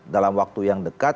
dalam waktu yang dekat